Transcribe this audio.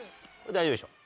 大丈夫でしょ。